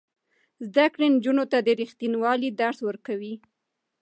زده کړه نجونو ته د ریښتینولۍ درس ورکوي.